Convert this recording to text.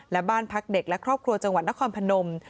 และบ้านพักเด็กและครอบครัวจังหวัดนครพนม